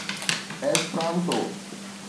Esperanto